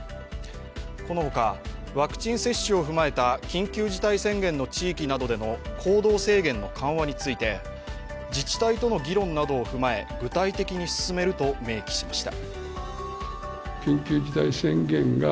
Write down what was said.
この他、ワクチン接種を踏まえた緊急事態宣言の地域などでの行動制限の緩和について、自治体との議論を踏まえ具体的に進めると明記しました。